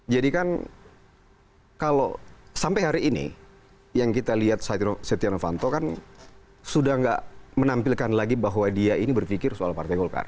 jadi kan kalau sampai hari ini yang kita lihat setia novanto kan sudah nggak menampilkan lagi bahwa dia ini berpikir soal partai golkar